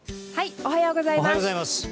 おはようございます。